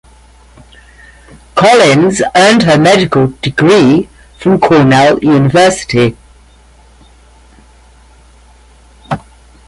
Collins earned her medical degree from Cornell University.